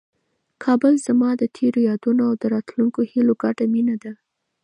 کابل زما د تېرو یادونو او د راتلونکي هیلو ګډه مېنه ده.